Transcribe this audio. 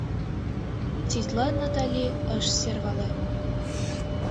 Тетла Натали ыш сӧрвале.